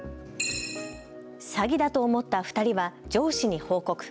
詐欺だと思った２人は上司に報告。